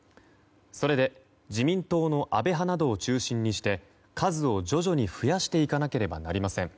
それで、自民党の安倍派などを中心にして数を徐々に増やしていかなければなりません